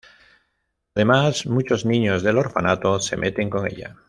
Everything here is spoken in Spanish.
Además, muchos niños del orfanato se meten con ella.